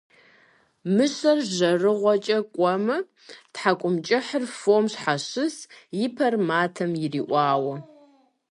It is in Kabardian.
Мыщэр жэрыгъэкӏэ кӏуэмэ - тхьэкӏумэкӏыхьыр фом щхьэщысщ, и пэр матэм ириӏуауэ.